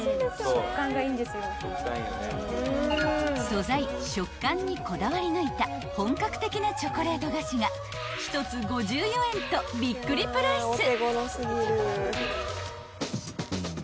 ［素材食感にこだわり抜いた本格的なチョコレート菓子が１つ５４円とびっくりプライス］